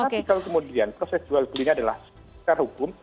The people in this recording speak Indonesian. tapi kalau kemudian proses jual belinya adalah secara hukum